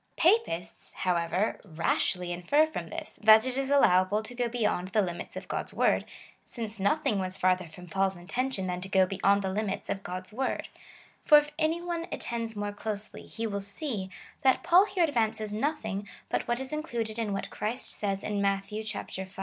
^ Papists, how ever, rashly infer from this, that it is allowable to go beyond the limits of God's word, since nothing was farther from Paul's intention than to go beyond the limits of God's Avord : for if any one attends more closely, he will see, that Paul here advances nothing but what is included in what Christ says in Matt v.